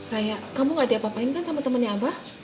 raya kamu nggak diapa apain kan sama temennya abah